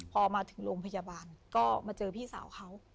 พอมาถึงโรงพยาบาลก็มาเจอพี่สาวเขา